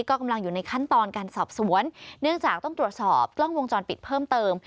ก็กำลังอยู่ในขั้นตอนการสอบสวนเนื่องจากต้องตรวจสอบกล้องวงจรปิดเพิ่มเติม